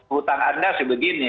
hutang anda sebegini